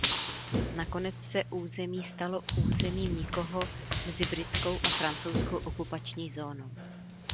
Nakonec se území stalo „územím nikoho“ mezi britskou a francouzskou okupační zónou.